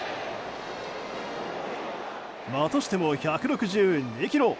またしても１６２キロ。